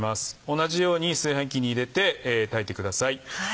同じように炊飯器に入れて炊いてください。